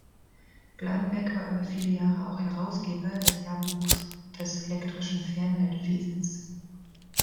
Gladenbeck war über viele Jahre auch Herausgeber des "Jahrbuchs des Elektrischen Fernmeldewesens".